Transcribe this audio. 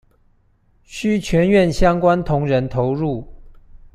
需全院相關同仁投入